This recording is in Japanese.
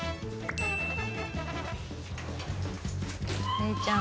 怜ちゃん。